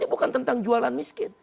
bukan tentang jualan miskin